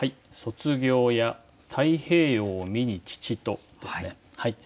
「卒業や太平洋を見に父と」ですね。